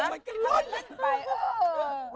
มันก็เล่นไป